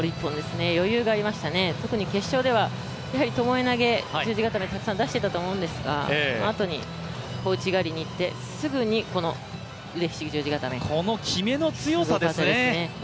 余裕がありましたね、特に決勝ではともえ投げ、十字固めたくさん出していたと思うんですが、あとに小内刈りにいって、すぐにこの腕ひしぎ十字固め、すごかったですね。